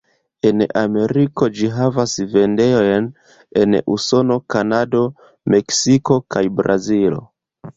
En Ameriko ĝi havas vendejojn en Usono, Kanado, Meksiko kaj Brazilo.